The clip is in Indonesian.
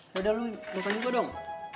yaudah lu makan juga dong